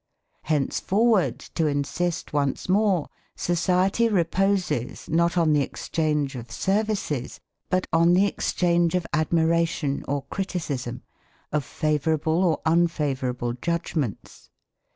Henceforward, to insist once more, society reposes, not on the exchange of services, but on the exchange of admiration or criticism, of favourable or unfavourable judgments.